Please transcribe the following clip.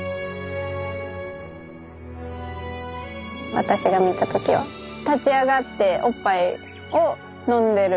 私が見た時は立ち上がっておっぱいを飲んでる状態でしたね。